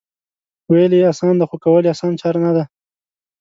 وېل یې اسان دي خو کول یې اسانه چاره نه ده